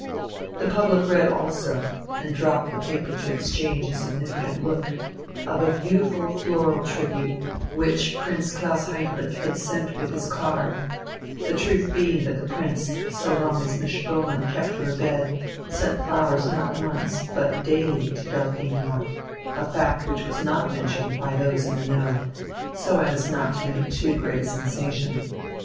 The public read also and dropped the paper to exchange a significant look of a "beautiful floral tribute," which Prince Klaus Heinrich had sent with his card (the truth being that the Prince, so long as Miss Spoelmann kept to her bed, sent flowers not once, but daily, to Delphinenort, a fact which was not mentioned by those in the know, so as not to make too great a sensation).